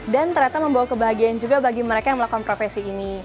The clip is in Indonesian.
dan ternyata membawa kebahagiaan juga bagi mereka yang melakukan profesi ini